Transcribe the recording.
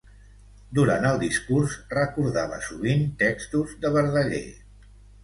Durant el discurs recordava sovint textos de Verdaguer.